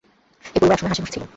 এই পরিবার এক সময় হাসিখুশি ছিল।